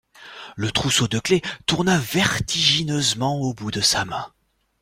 Le trousseau de clef tourna vertigineusement au bout de sa main.